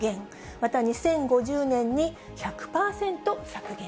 また２０５０年に１００％削減。